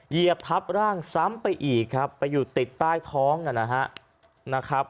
เหยียบทับร่างซ้ำไปอีกครับไปอยู่ติดใต้ท้องนะครับ